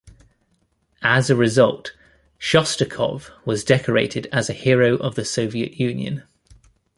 As a result, Shostakov was decorated as a hero of the Soviet Union.